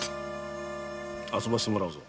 遊ばせてもらうぞ。